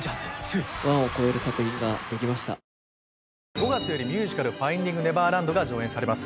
５月より『ファインディング・ネバーランド』が上演されます。